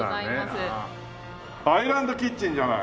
アイランドキッチンじゃない。